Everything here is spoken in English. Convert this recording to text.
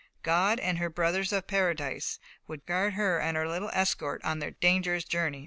God and "her brothers of Paradise" would guard her and her little escort on their dangerous journey.